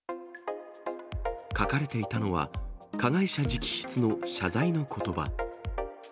書かれていたのは、加害者直筆の謝罪のことば。